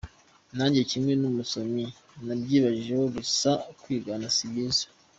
nanjye kimwe n'umusomyi nabyibajijeho gusa kwigana si byiza.